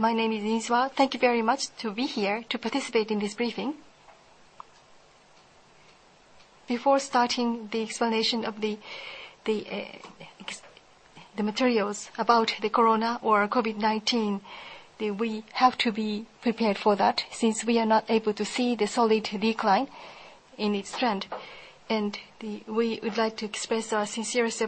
My name is [Izumisawa]. Thank you very much to be here to participate in this briefing. Before starting the explanation of the materials about the corona or COVID-19, we have to be prepared for that since we are not able to see the solid decline in its trend. We would like to express our sincerest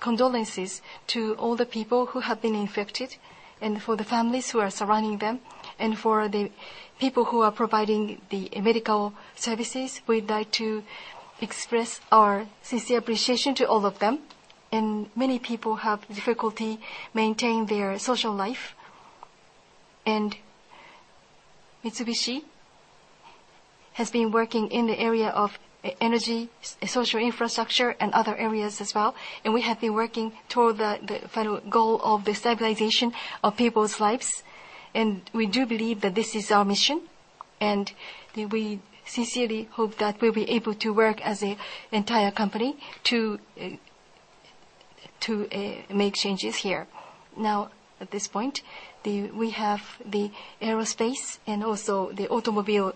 condolences to all the people who have been infected and for the families who are surrounding them and for the people who are providing the medical services. We'd like to express our sincere appreciation to all of them. Many people have difficulty maintaining their social life. Mitsubishi has been working in the area of energy, social infrastructure, and other areas as well, and we have been working toward the final goal of the stabilization of people's lives. We do believe that this is our mission, and we sincerely hope that we'll be able to work as an entire company to make changes here. At this point, we have the aerospace and also the automobile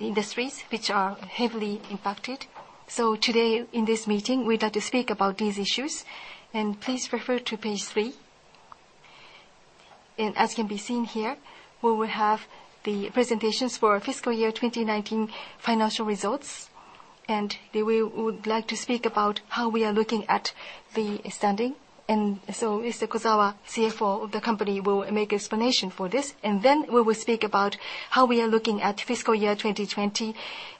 industries, which are heavily impacted. Today in this meeting, we'd like to speak about these issues, and please refer to page three. As can be seen here, where we have the presentations for our fiscal year 2019 financial results, and we would like to speak about how we are looking at the standing. Mr. Kozawa, CFO of the company, will make explanation for this. We will speak about how we are looking at fiscal year 2020,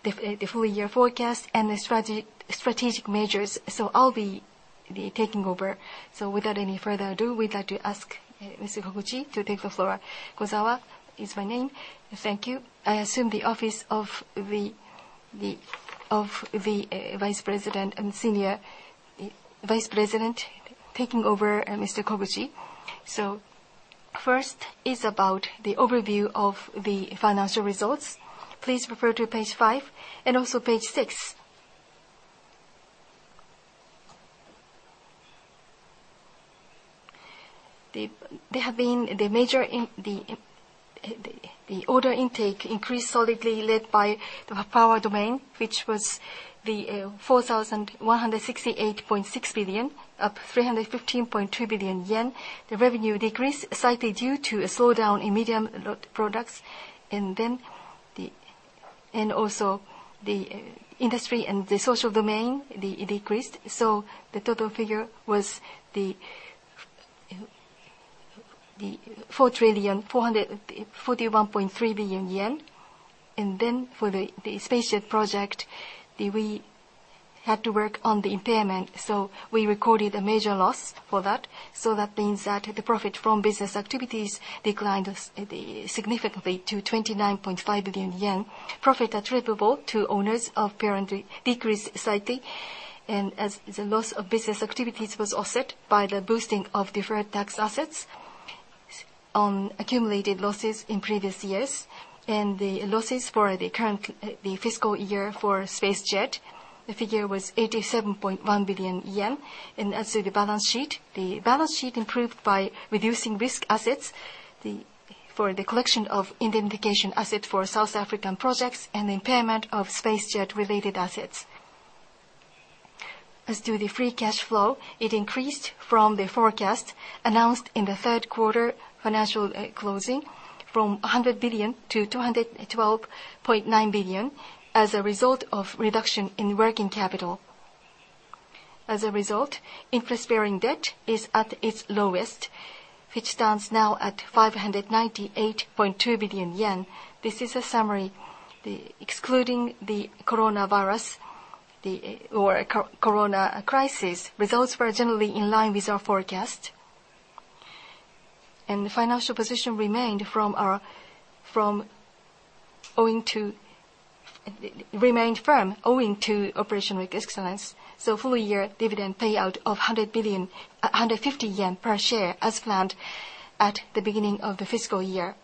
the full-year forecast, and the strategic measures. I'll be taking over. Without any further ado, we'd like to ask Mr. Koguchi to take the floor. Kozawa is my name. Thank you. I assumed the office of the Vice President and Senior Vice President taking over Mr. Koguchi. First is about the overview of the financial results. Please refer to page five and also page six. The order intake increased solidly, led by the Power domain, which was 4,168.6 billion, up 315.2 billion yen. The revenue decreased slightly due to a slowdown in medium products, and also the industry and the social domain decreased, so the total figure was 4,041.3 billion yen. For the SpaceJet project, we had to work on the impairment, so we recorded a major loss for that. That means that the profit from business activities declined significantly to 29.5 billion yen. Profit attributable to owners of parent decreased slightly. As the loss of business activities was offset by the boosting of deferred tax assets on accumulated losses in previous years. The losses for the fiscal year for SpaceJet, the figure was 87.1 billion yen. As to the balance sheet, the balance sheet improved by reducing risk assets for the collection of indemnification asset for South African projects and the impairment of SpaceJet-related assets. As to the free cash flow, it increased from the forecast announced in the third quarter financial closing from 100 billion-212.9 billion as a result of reduction in working capital. As a result, interest-bearing debt is at its lowest, which stands now at 598.2 billion yen. This is a summary. Excluding the coronavirus or corona crisis, results were generally in line with our forecast. The financial position remained firm owing to operational excellence. Full-year dividend payout of 150 yen per share as planned at the beginning of the fiscal year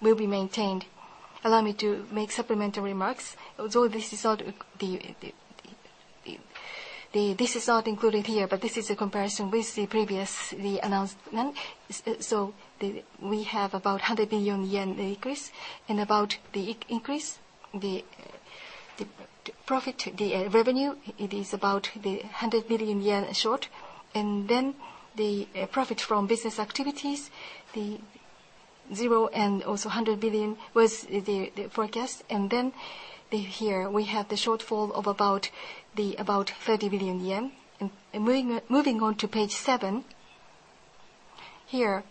will be maintained. Allow me to make supplementary remarks. Although this is not included here, but this is a comparison with the previous announcement. We have about 100 billion yen increase. About the increase, the revenue, it is about 100 billion yen short. The profit from business activities, the [0] and also 100 billion was the forecast. Here we have the shortfall of about 30 billion yen. Moving on to page seven. Here,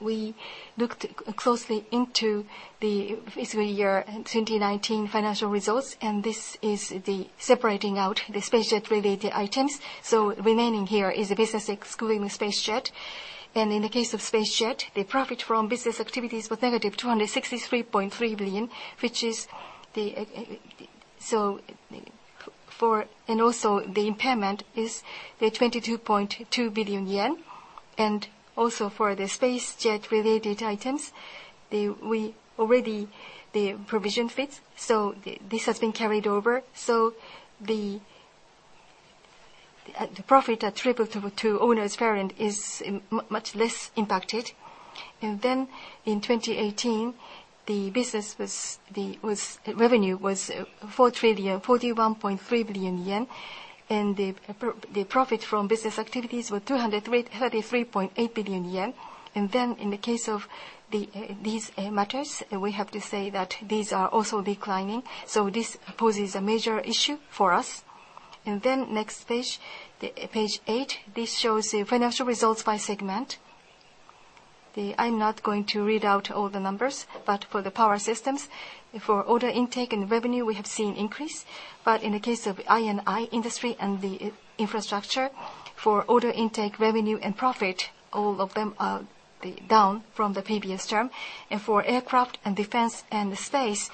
we looked closely into the fiscal year 2019 financial results, and this is the separating out the SpaceJet-related items. Remaining here is the business excluding the SpaceJet. In the case of SpaceJet, the profit from business activities was -263.3 billion, and also the impairment is the 22.2 billion yen. Also for the SpaceJet-related items, already the provision fits, so this has been carried over. The profit attributable to owners parent is much less impacted. In [2019], the business revenue was 4,041.3 billion yen. The profit from business activities were 233.8 billion yen. In the case of these matters, we have to say that these are also declining, so this poses a major issue for us. Next page. Page eight. This shows the financial results by segment. I'm not going to read out all the numbers, but for the Power Systems, for order intake and revenue, we have seen increase. In the case of I&I, industry and the infrastructure for order intake, revenue and profit, all of them are down from the previous term. For Aircraft and Defense & Space,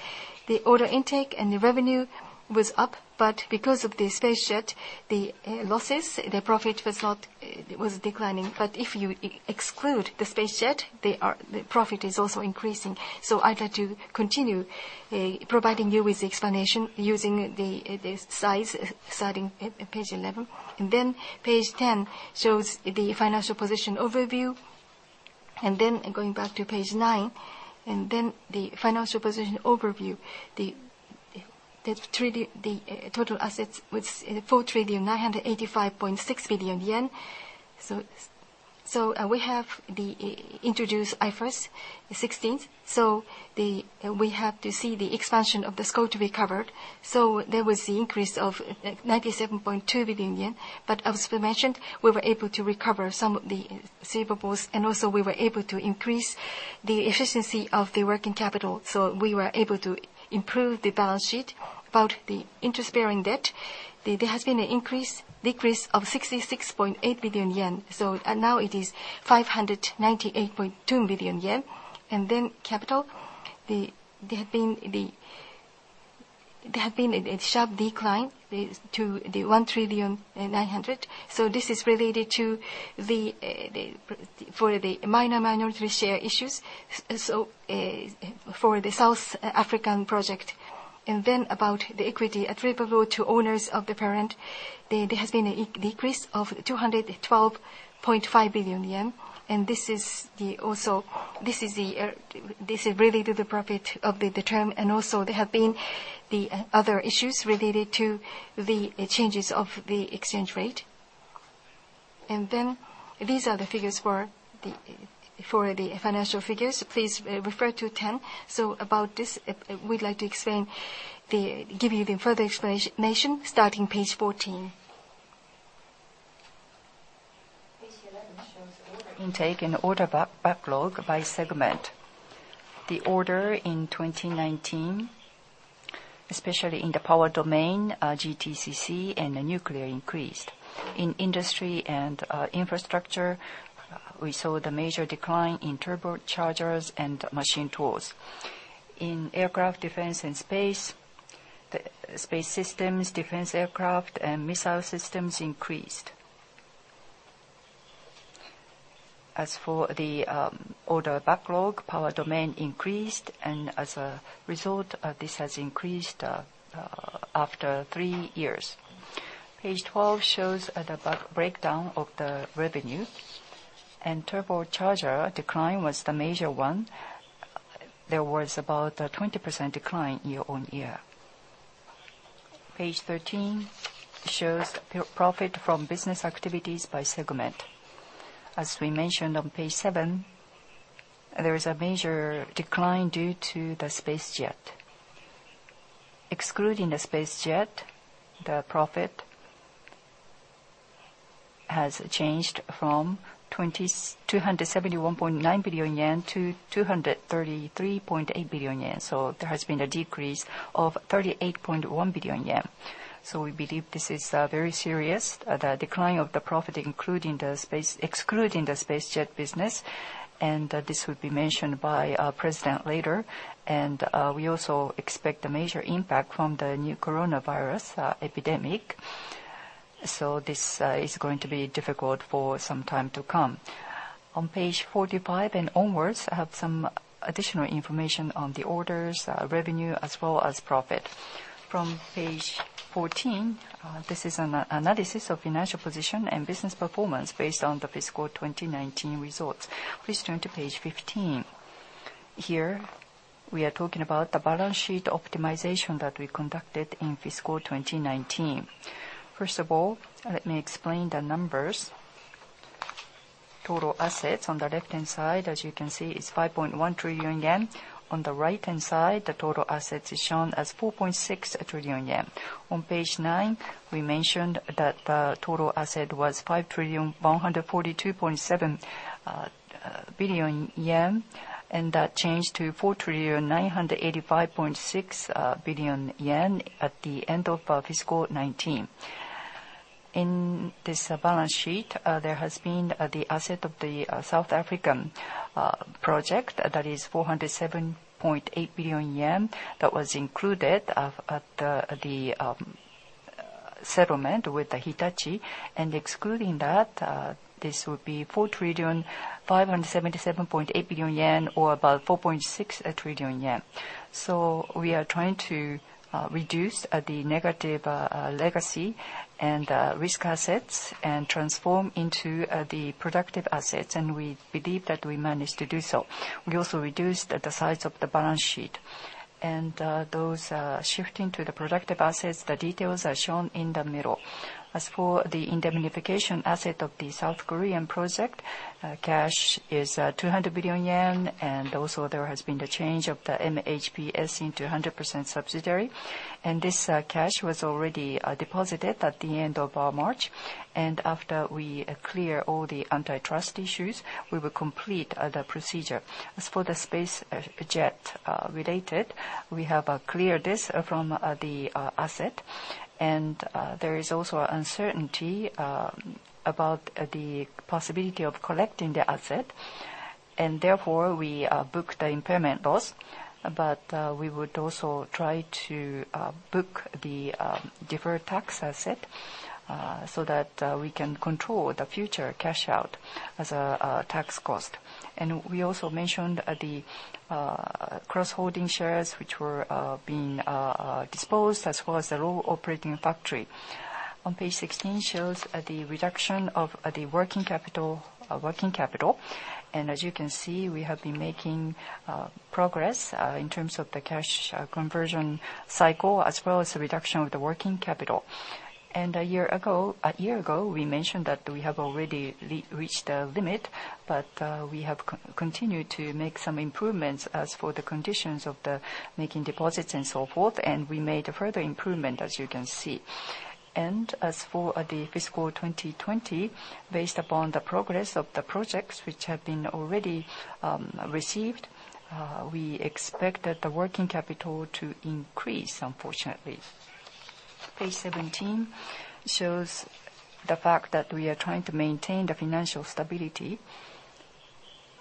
the order intake and the revenue was up, but because of the SpaceJet, the losses, the profit was declining. If you exclude the SpaceJet, the profit is also increasing. I'd like to continue providing you with the explanation using the size, starting at page 11. Page 10 shows the financial position overview. Going back to page nine, the financial position overview. The total assets was 4,985.6 billion yen. We have introduced IFRS 16. We have to see the expansion of the scope to be covered. There was the increase of 97.2 billion yen. As we mentioned, we were able to recover some of the receivables and also we were able to increase the efficiency of the working capital. We were able to improve the balance sheet. About the interest-bearing debt, there has been a decrease of 66.8 billion yen. Now it is 598.2 billion yen. Capital, there have been a sharp decline to the [1.9 trillion]. This is related to the minority share issues. For the South African project. About the equity attributable to owners of the parent, there has been a decrease of 212.5 billion yen. This is related to the profit of the term. There have been the other issues related to the changes of the exchange rate. These are the figures for the financial figures. Please refer to 10. About this, we'd like to give you the further explanation starting page 14. Page 11 shows order intake and order backlog by segment. The order in 2019, especially in the Power domain, GTCC, and the nuclear increased. In industry and infrastructure, we saw the major decline in Turbochargers and Machine Tools. In Aircraft, Defense & Space, the space systems, defense aircraft, and missile systems increased. As for the order backlog, Power domain increased, and as a result, this has increased after three years. Page 12 shows the breakdown of the revenue, and Turbocharger decline was the major one. There was about a 20% decline year-on-year. Page 13 shows profit from business activities by segment. As we mentioned on page seven, there is a major decline due to the SpaceJet. Excluding the SpaceJet, the profit has changed from 271.9 billion-233.8 billion yen. There has been a decrease of 38.1 billion yen. We believe this is very serious, the decline of the profit, excluding the SpaceJet business, and this will be mentioned by our President later. We also expect a major impact from the new coronavirus epidemic. This is going to be difficult for some time to come. On page 45 and onwards, I have some additional information on the orders, revenue, as well as profit. From page 14, this is an analysis of financial position and business performance based on the fiscal 2019 results. Please turn to page 15. Here, we are talking about the balance sheet optimization that we conducted in fiscal 2019. First of all, let me explain the numbers. Total assets on the left-hand side, as you can see, is 5.1 trillion yen. On the right-hand side, the total assets is shown as 4.6 trillion yen. On page nine, we mentioned that the total asset was 5142.7 billion yen, that changed to 4,985.6 billion yen at the end of fiscal 2019. In this balance sheet, there has been the asset of the South African project that is 407.8 billion yen that was included at the settlement with Hitachi. Excluding that, this would be 4,577.8 billion yen or about 4.6 trillion yen. We are trying to reduce the negative legacy and risk assets and transform into the productive assets, we believe that we managed to do so. We also reduced the size of the balance sheet, those shifting to the productive assets, the details are shown in the middle. As for the indemnification asset of the [South African project], cash is 200 billion yen, also there has been the change of the MHPS into 100% subsidiary. This cash was already deposited at the end of March. After we clear all the antitrust issues, we will complete the procedure. As for the SpaceJet-related, we have cleared this from the asset, and there is also uncertainty about the possibility of collecting the asset. Therefore, we book the impairment loss, but we would also try to book the deferred tax asset, so that we can control the future cash out as a tax cost. We also mentioned the cross-holding shares, which were being disposed, as well as the low operating factory. On page 16 shows the reduction of the working capital. As you can see, we have been making progress in terms of the cash conversion cycle as well as the reduction of the working capital. A year ago, we mentioned that we have already reached the limit, but we have continued to make some improvements as for the conditions of the making deposits and so forth, and we made a further improvement, as you can see. As for the fiscal 2020, based upon the progress of the projects which have been already received, we expect that the working capital to increase, unfortunately. Page 17 shows the fact that we are trying to maintain the financial stability.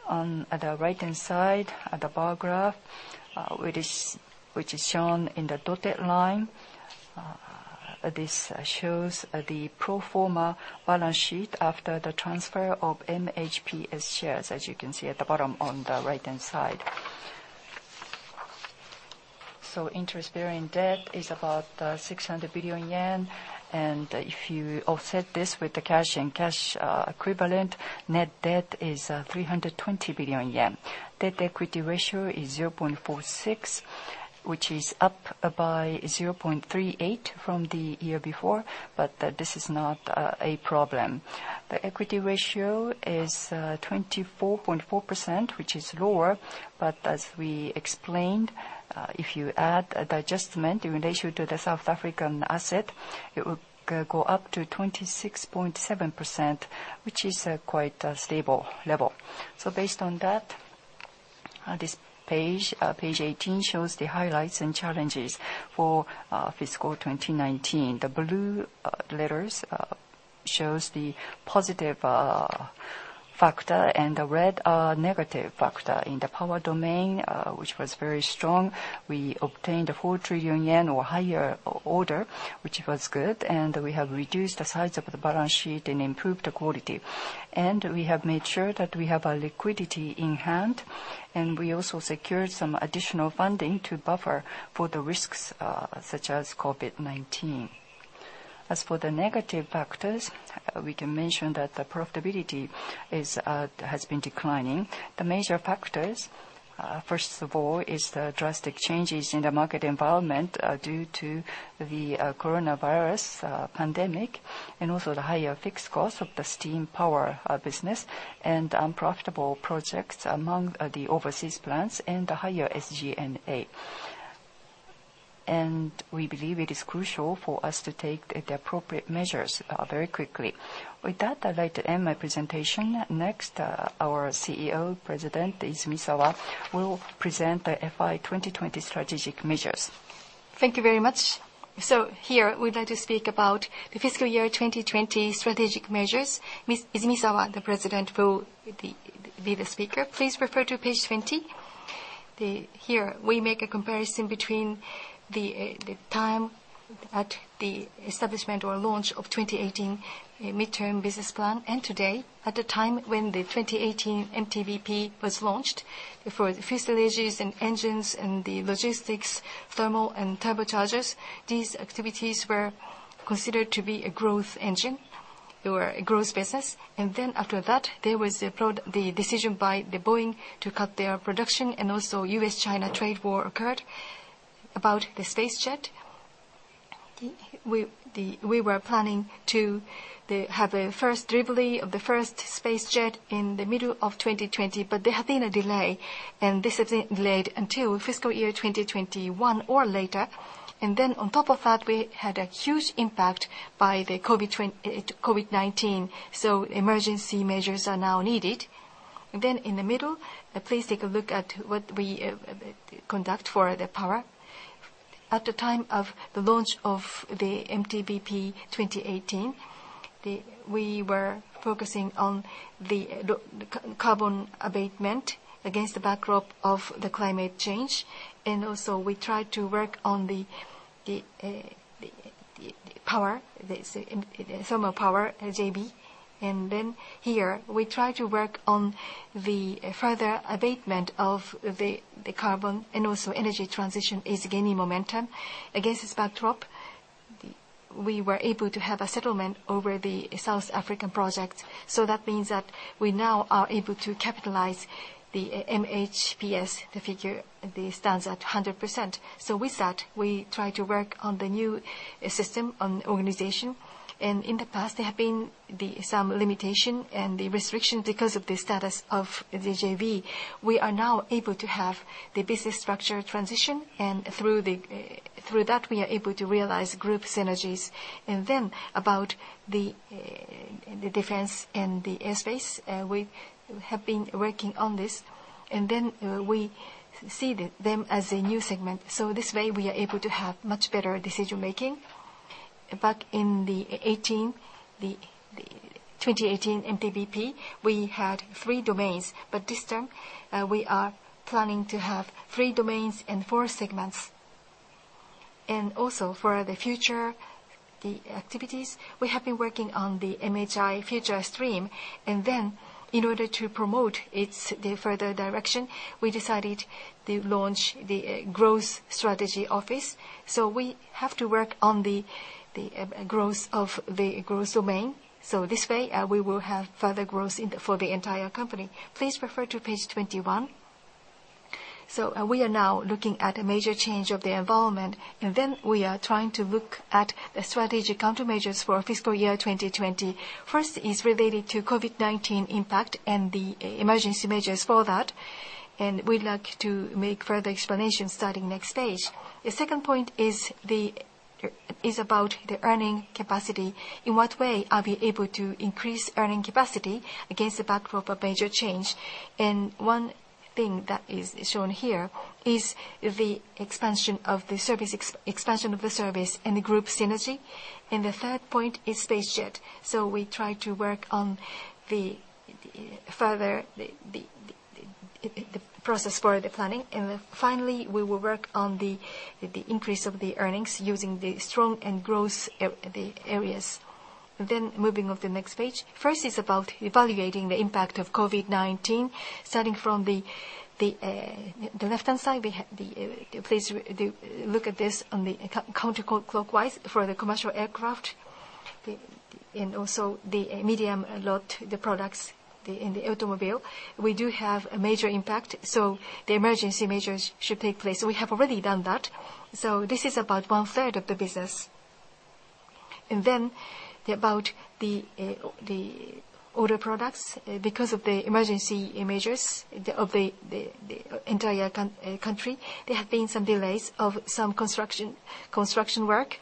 On the right-hand side, the bar graph, which is shown in the dotted line, this shows the pro forma balance sheet after the transfer of MHPS shares, as you can see at the bottom on the right-hand side. Interest-bearing debt is about 600 billion yen, and if you offset this with the cash and cash equivalent, net debt is 320 billion yen. Debt-to-equity ratio is 0.46, which is up by 0.38 from the year before. This is not a problem. The equity ratio is 24.4%, which is lower, but as we explained, if you add the adjustment in relation to the South African asset, it will go up to 26.7%, which is quite a stable level. So based on that, this page 18, shows the highlights and challenges for fiscal 2019. The blue letters shows the positive factor, and the red are negative factor. In the Power domain, which was very strong, we obtained a 4 trillion yen or higher order, which was good. We have reduced the size of the balance sheet and improved the quality. We have made sure that we have our liquidity in hand, and we also secured some additional funding to buffer for the risks such as COVID-19. As for the negative factors, we can mention that the profitability has been declining. The major factors, first of all, is the drastic changes in the market environment due to the coronavirus pandemic, and also the higher fixed cost of the Steam Power business and unprofitable projects among the overseas plants and the higher SG&A. We believe it is crucial for us to take the appropriate measures very quickly. With that, I'd like to end my presentation. Next, our CEO President Izumisawa will present the FY 2020 strategic measures. Thank you very much. Here, we'd like to speak about the fiscal year 2020 strategic measures. Mr. Izumisawa, the President, will be the speaker. Please refer to page 20. Here, we make a comparison between the time at the establishment or launch of 2018 Medium-Term Business Plan and today. At the time when the 2018 MTBP was launched, for the fuselages and engines and the Logistics, thermal and Turbochargers, these activities were considered to be a growth engine or a growth business. After that, there was the decision by Boeing to cut their production, and also [U.S.-China] trade war occurred. The SpaceJet, we were planning to have a first delivery of the first SpaceJet in the middle of 2020, but there have been a delay, and this has been delayed until fiscal year 2021 or later. On top of that, we had a huge impact by the COVID-19. Emergency measures are now needed. In the middle, please take a look at what we conduct for the Power. At the time of the launch of the MTBP 2018, we were focusing on the carbon abatement against the backdrop of the climate change. We tried to work on the power, the thermal power, JV. Here, we try to work on the further abatement of the carbon. Energy transition is gaining momentum. Against this backdrop, we were able to have a settlement over the South African project. That means that we now are able to capitalize the MHPS. The figure stands at 100%. With that, we try to work on the new system on organization. In the past, there have been some limitation and the restriction because of the status of the JV. We are now able to have the business structure transition, and through that, we are able to realize group synergies. About the defense and the airspace, we have been working on this, and then we see them as a new segment. This way, we are able to have much better decision-making. Back in the 2018 MTBP, we had three domains, but this term, we are planning to have three domains and four segments. For the future activities, we have been working on the MHI FUTURE STREAM. In order to promote its further direction, we decided to launch the Growth Strategy Office. We have to work on the growth of the growth domain. This way, we will have further growth for the entire company. Please refer to page 21. We are now looking at a major change of the environment. We are trying to look at the strategic countermeasures for fiscal year 2020. First is related to COVID-19 impact and the emergency measures for that, and we'd like to make further explanations starting next page. The second point is about the earning capacity. In what way are we able to increase earning capacity against the backdrop of major change? One thing that is shown here is the expansion of the service and the group synergy. The third point is SpaceJet. We try to work on further the process for the planning. Finally, we will work on the increase of the earnings using the strong and growth areas. Moving on to the next page. First is about evaluating the impact of COVID-19. Starting from the left-hand side, please look at this counterclockwise for the Commercial Aircraft, and also the medium lot, the products in the automobile. We do have a major impact, so the emergency measures should take place. We have already done that. This is about one-third of the business. About the other products, because of the emergency measures of the entire country, there have been some delays of some construction work.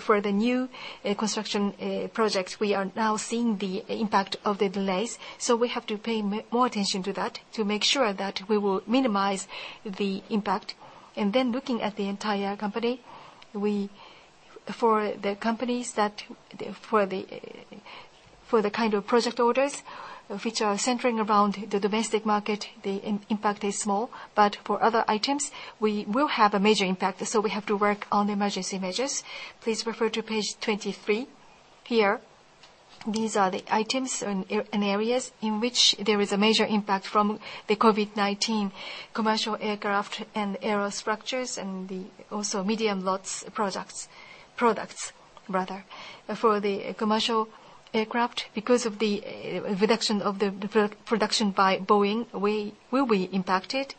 For the new construction projects, we are now seeing the impact of the delays. We have to pay more attention to that to make sure that we will minimize the impact. Looking at the entire company, for the companies that for the kind of project orders which are centering around the domestic market, the impact is small. For other items, we will have a major impact, so we have to work on emergency measures. Please refer to page 23. Here, these are the items and areas in which there is a major impact from the COVID-19 Commercial Aircraft and aerostructures and also medium-lot products. For the Commercial Aircraft, because of the reduction of the production by Boeing, we will be impacted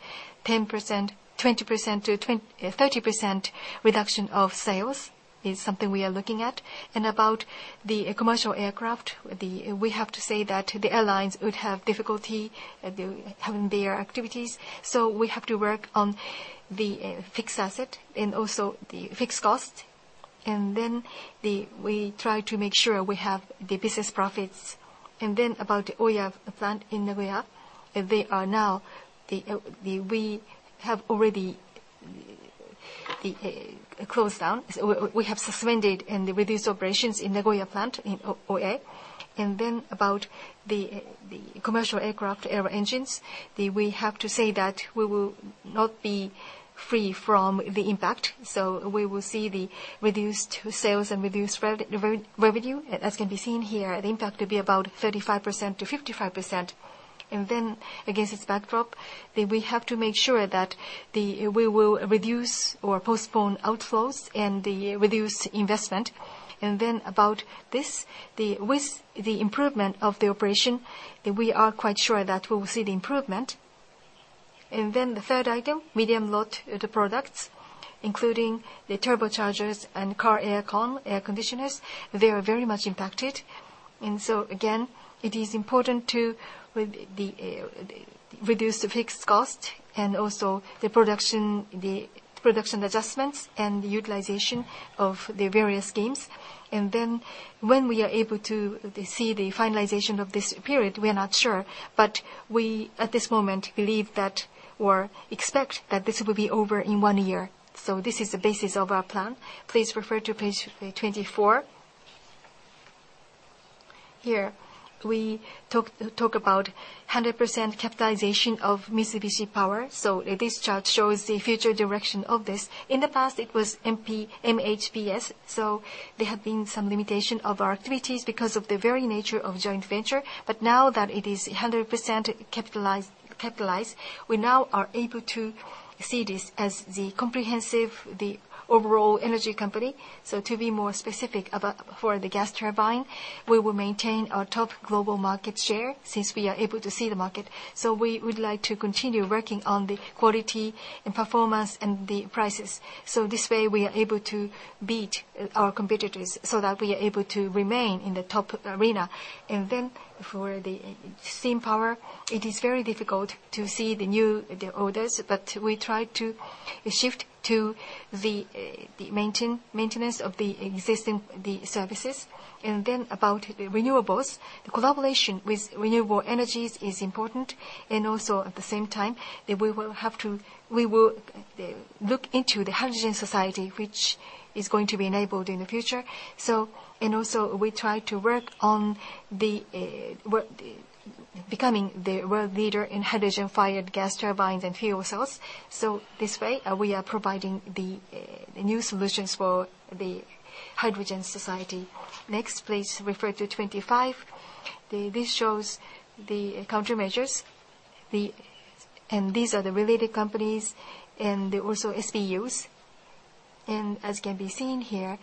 10%, 20%-30% reduction of sales is something we are looking at. About the Commercial Aircraft, we have to say that the airlines would have difficulty having their activities. We have to work on the fixed asset and also the fixed cost. We try to make sure we have the business profits. About the Oye plant in Nagoya, we have already closed down. We have suspended and reduced operations in Nagoya plant in Oye. About the Commercial Aircraft aero engines, we have to say that we will not be free from the impact, we will see the reduced sales and reduced revenue. As can be seen here, the impact will be about 35%-55%. Against this backdrop, we have to make sure that we will reduce or postpone outflows and reduce investment. About this, with the improvement of the operation, we are quite sure that we will see the improvement. The third item, medium-lot products, including the Turbochargers and Car Air Conditioners, they are very much impacted. Again, it is important to reduce the fixed cost and also the production adjustments and the utilization of the various schemes. When we are able to see the finalization of this period, we are not sure, but we, at this moment, believe that or expect that this will be over in one year. This is the basis of our plan. Please refer to page 24. Here, we talk about 100% capitalization of Mitsubishi Power. This chart shows the future direction of this. In the past, it was MHPS, there have been some limitation of our activities because of the very nature of joint venture. Now that it is 100% capitalized, we now are able to see this as the comprehensive, the overall energy company. To be more specific, for the Gas Turbine, we will maintain our top global market share since we are able to see the market. We would like to continue working on the quality, performance, and the prices. This way, we are able to beat our competitors so that we are able to remain in the top arena. For the Steam Power, it is very difficult to see the new orders, but we try to shift to the maintenance of the existing services. About renewables, the collaboration with renewable energies is important, and also at the same time, we will look into the hydrogen society, which is going to be enabled in the future. We try to work on becoming the world leader in hydrogen-fired gas turbines and fuel cells. This way, we are providing the new solutions for the hydrogen society. Next, please refer to 25. This shows the countermeasures. These are the related companies and also SBUs. As can be seen here,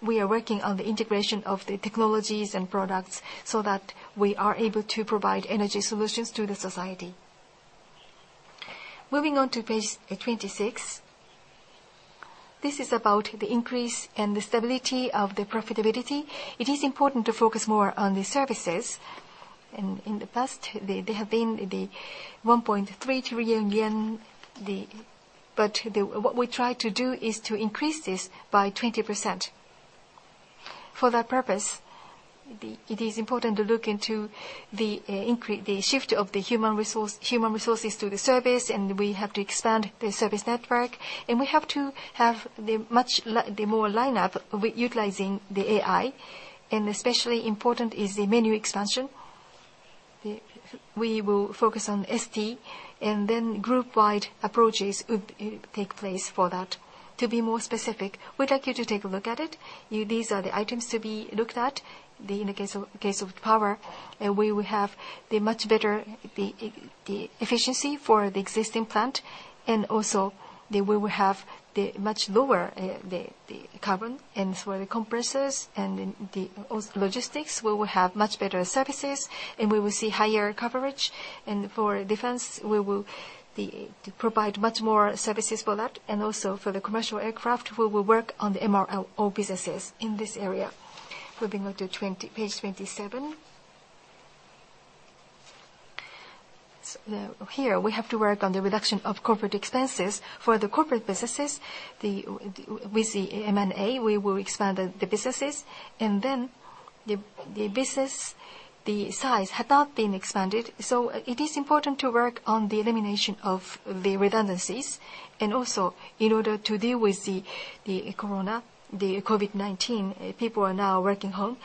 we are working on the integration of the technologies and products so that we are able to provide energy solutions to the society. Moving on to page 26. This is about the increase and the stability of the profitability. It is important to focus more on the services. In the past, they have been 1.3 trillion yen, but what we try to do is to increase this by 20%. For that purpose, it is important to look into the shift of the human resources to the service, and we have to expand the service network. We have to have the more lineup utilizing the AI. Especially important is the menu expansion. We will focus on ST, and then group-wide approaches would take place for that. To be more specific, we'd like you to take a look at it. These are the items to be looked at. In the case of power, we will have the much better efficiency for the existing plant, and also we will have the much lower carbon. For the compressors and the logistics, we will have much better services, and we will see higher coverage. For defense, we will provide much more services for that. For the Commercial Aircraft, we will work on the MRO businesses in this area. Moving on to page 27. Here, we have to work on the reduction of corporate expenses. For the corporate businesses, with the M&A, we will expand the businesses. The business, the size had not been expanded, so it is important to work on the elimination of the redundancies. In order to deal with the COVID-19, people are now working home.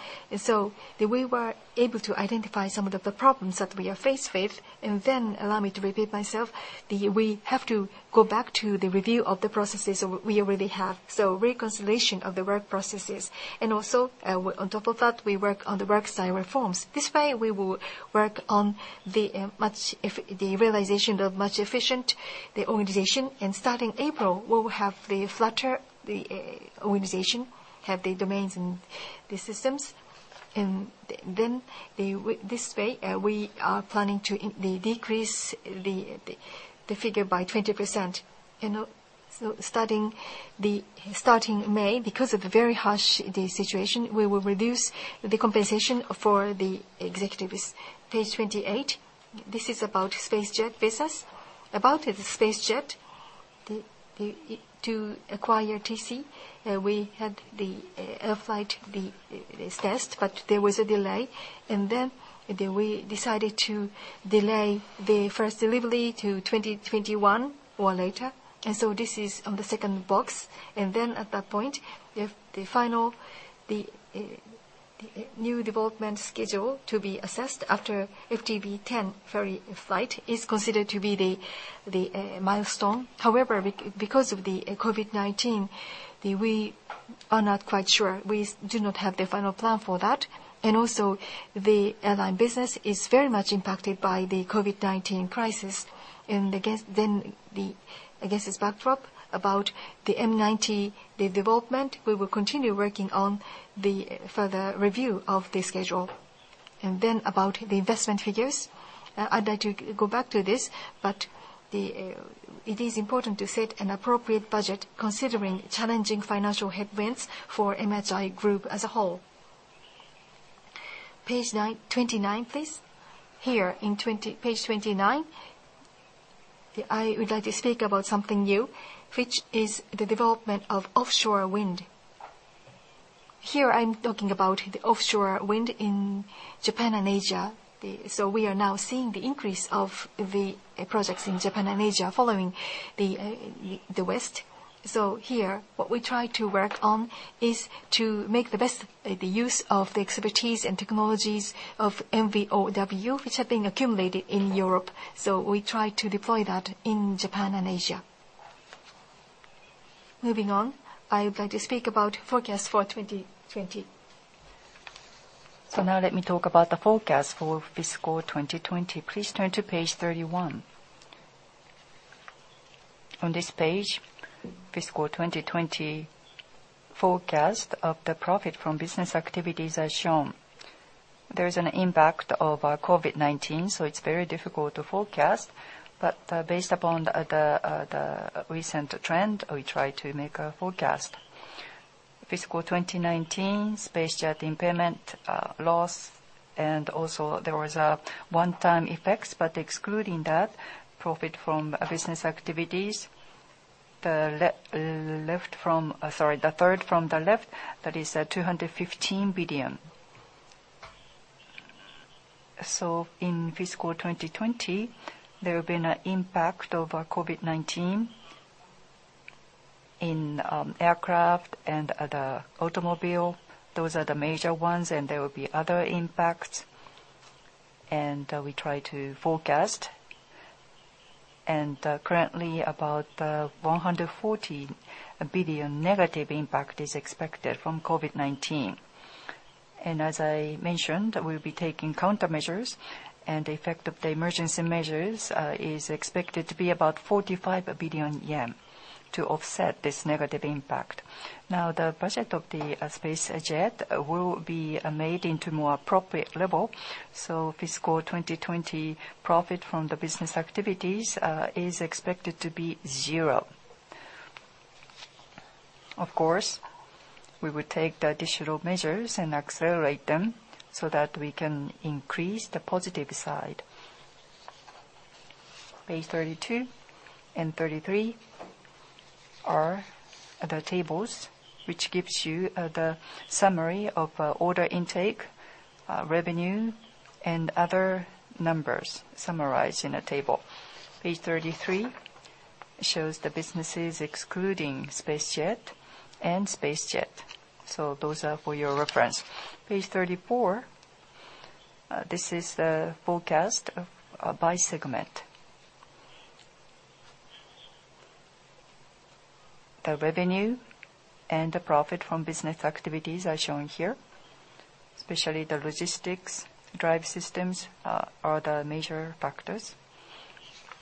We were able to identify some of the problems that we are faced with. Allow me to repeat myself, we have to go back to the review of the processes we already have. Reconciliation of the work processes. On top of that, we work on the work style reforms. This way, we will work on the realization of much efficient organization. Starting April, we will have the flatter organization, have the domains and the systems. This way, we are planning to decrease the figure by 20%. Starting May, because of the very harsh situation, we will reduce the compensation for the executives. Page 28. This is about SpaceJet business. About the SpaceJet, to acquire TC, we had the flight test, but there was a delay. We decided to delay the first delivery to 2021 or later. This is on the second box. At that point, the final new development schedule to be assessed after FTV-10 ferry flight is considered to be the milestone. However, because of the COVID-19, we are not quite sure. We do not have the final plan for that. The airline business is very much impacted by the COVID-19 crisis. Against this backdrop, about the M90 development, we will continue working on the further review of the schedule. About the investment figures, I'd like to go back to this, but it is important to set an appropriate budget considering challenging financial headwinds for MHI Group as a whole. Page 29, please. Here in page 29, I would like to speak about something new, which is the development of offshore wind. Here, I'm talking about the offshore wind in Japan and Asia. We are now seeing the increase of the projects in Japan and Asia following the West. Here, what we try to work on is to make the best use of the expertise and technologies of MVOW, which have been accumulated in Europe. We try to deploy that in Japan and Asia. Moving on, I would like to speak about forecast for 2020. Let me talk about the forecast for fiscal 2020. Please turn to page 31. On this page, fiscal 2020 forecast of the profit from business activities are shown. There is an impact of COVID-19, so it's very difficult to forecast. Based upon the recent trend, we try to make a forecast. fiscal 2019 SpaceJet impairment loss, and also there was a one-time effects, but excluding that, profit from business activities, the third from the left, that is 215 billion. In fiscal 2020, there will be an impact of COVID-19 in aircraft and the automobile. Those are the major ones. There will be other impacts. We try to forecast, and currently about 140 billion negative impact is expected from COVID-19. As I mentioned, we'll be taking countermeasures, and the effect of the emergency measures is expected to be about 45 billion yen to offset this negative impact. Now, the budget of the SpaceJet will be made into more appropriate level. Fiscal 2020 profit from the business activities is expected to be zero. Of course, we will take the additional measures and accelerate them so that we can increase the positive side. Page 32 and 33 are the tables which gives you the summary of order intake, revenue, and other numbers summarized in a table. Page 33 shows the businesses excluding SpaceJet and SpaceJet. Those are for your reference. Page 34, this is the forecast by segment. The revenue and the profit from business activities are shown here, especially the Logistics, Thermal & Drive Systems are the major factors.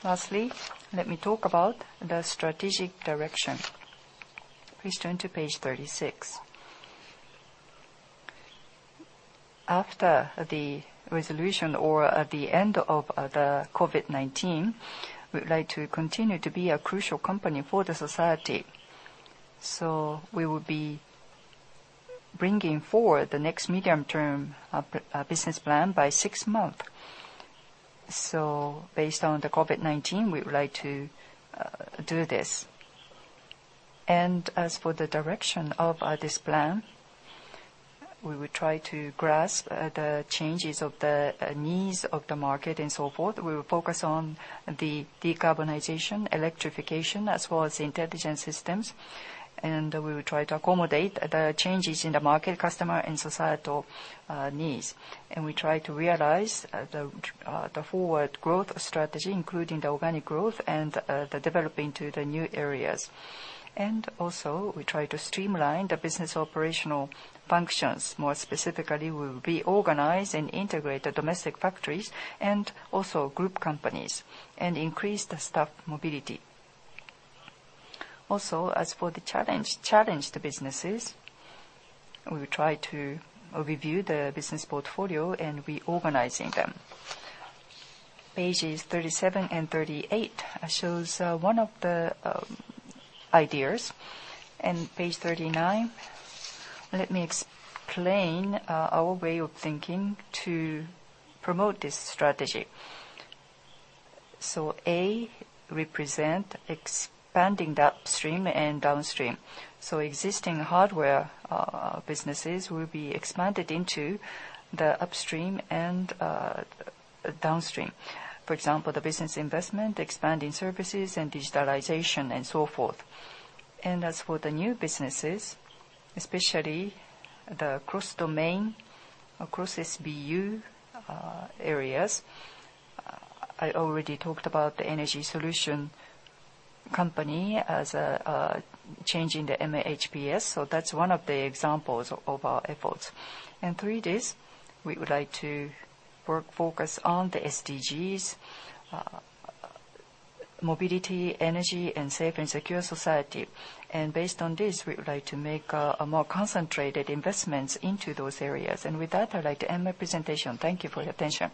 Lastly, let me talk about the strategic direction. Please turn to page 36. After the resolution or at the end of the COVID-19, we'd like to continue to be a crucial company for the society. We will be bringing forward the next Medium-Term Business Plan by six months. Based on the COVID-19, we would like to do this. As for the direction of this plan, we will try to grasp the changes of the needs of the market and so forth. We will focus on the decarbonization, electrification, as well as intelligence systems. We will try to accommodate the changes in the market, customer, and societal needs. We try to realize the forward growth strategy, including the organic growth and the developing to the new areas. We try to streamline the business operational functions. More specifically, we will reorganize and integrate the domestic factories and also group companies and increase the staff mobility. As for the challenged businesses, we will try to review the business portfolio and reorganizing them. Pages 37 and 38 shows one of the ideas. Page 39, let me explain our way of thinking to promote this strategy. A represent expanding the upstream and downstream. Existing hardware businesses will be expanded into the upstream and downstream. For example, the business investment, expanding services, and digitalization and so forth. As for the new businesses, especially the cross-domain, cross-SBU areas, I already talked about the energy solution company as a change in the MHPS. That's one of the examples of our efforts. In through this, we would like to focus on the SDGs, mobility, energy, and safe and secure society. Based on this, we would like to make more concentrated investments into those areas. With that, I'd like to end my presentation. Thank you for your attention.